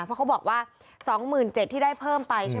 เพราะเขาบอกว่า๒๗๐๐๐ที่ได้เพิ่มไป